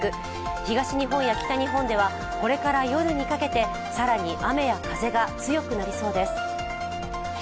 東日本や北日本ではこれから夜にかけて更に雨や風が強くなりそうです。